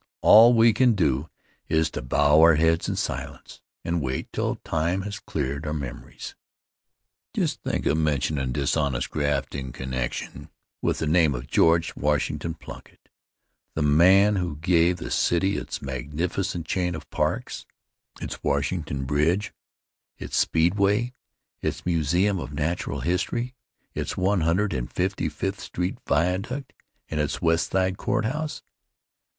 All we can do is to bow our heads in silence and wait till time has cleared our memories. Just think of mentionin' dishonest graft in connection with the name of George Washington Plunkitt, the man who gave the city its magnificent chain of parks, its Washington Bridge, its Speedway, its Museum of Natural History, its One Hundred and Fifty fifth Street Viaduct and its West Side Courthouse!